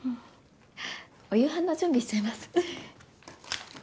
お夕飯の準備しちゃいます。